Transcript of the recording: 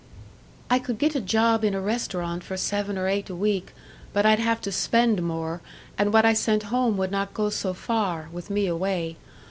"I could get a job in a restaurant for seven or eight a week, but I'd have to spend more, and what I sent home would not go so far, with me away.